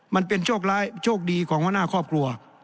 มันเป็นโชคร้ายโชคดีของหัวหน้าครอบครัว